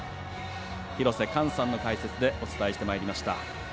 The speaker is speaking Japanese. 廣瀬寛さんの解説でお伝えしてまいりました。